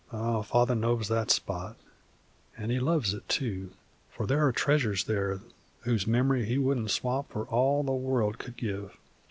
Ah, Father knows that spot, an' he loves it, too, for there are treasures there whose memory he wouldn't swap for all the world could give.